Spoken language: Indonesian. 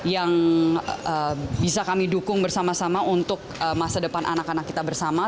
yang bisa kami dukung bersama sama untuk masa depan anak anak kita bersama